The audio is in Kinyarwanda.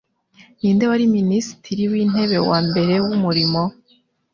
Ninde Wari Minisitiri w’intebe wa mbere w’umurimo